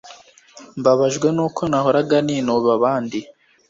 mbabajwe nuko nahoraga ninuba abandi